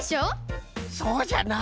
そうじゃな。